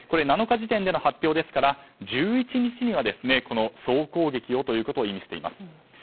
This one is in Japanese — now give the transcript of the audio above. ７日時点での発表ですから１１日には総攻撃をということを意味しています。